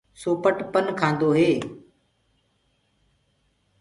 سوپٽ پن کآندو هي۔